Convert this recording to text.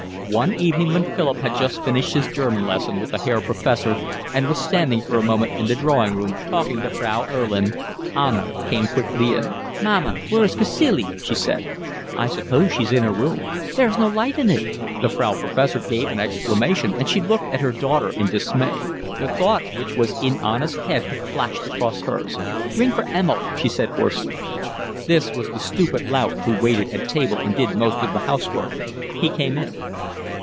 One evening when Philip had just finished his German lesson with the Herr Professor and was standing for a moment in the drawing room, talking to Frau Erlin, Anna came quickly in. "Mamma, where is Cacilie?" she said. "I suppose she's in her room." "There's no light in it." The Frau Professor gave an exclamation, and she looked at her daughter in dismay. The thought which was in Anna's head had flashed across hers. "Ring for Emil," she said hoarsely. This was the stupid lout who waited at table and did most of the housework. He came in.